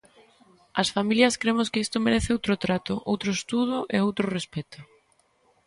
As familias cremos que isto merece outro trato, outro estudo e outro respecto.